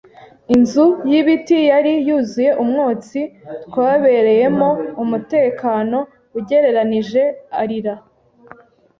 Inzu y'ibiti yari yuzuye umwotsi, twabereyemo umutekano ugereranije. Arira